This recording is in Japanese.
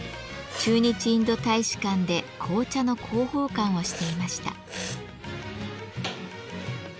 駐日インド大使館で紅茶の広報官をしていました。